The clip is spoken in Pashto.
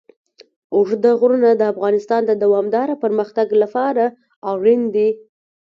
اوږده غرونه د افغانستان د دوامداره پرمختګ لپاره اړین دي.